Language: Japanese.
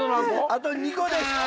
あと２個です。